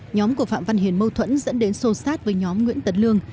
nhóm của phạm văn hiền mâu thuẫn dẫn đến sô sát với nhóm nguyễn tấn lương